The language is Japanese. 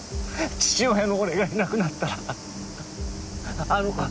父親の俺がいなくなったらあの子は。